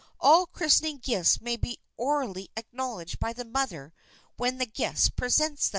All christening gifts may be orally acknowledged by the mother when the guest presents them.